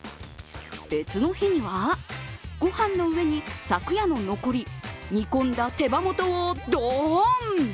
別の日には、ご飯の上に昨夜の残り、煮込んだ手羽元をどーん。